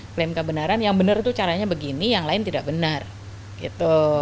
klaim kebenaran yang benar itu caranya begini yang lain tidak benar gitu